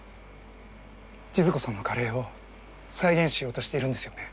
千鶴子さんのカレーを再現しようとしているんですよね？